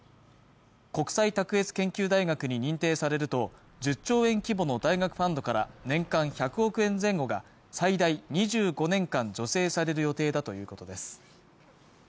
国際卓越研究大学に認定されると１０兆円規模の大学ファンドから年間１００億円前後が最大２５年間助成される予定だということです